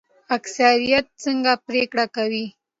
اکثریت څنګه پریکړه کوي؟